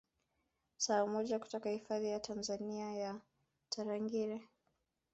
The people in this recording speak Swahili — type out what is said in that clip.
Saa moja kutoka hifadhi ya Taifa ya Tarangire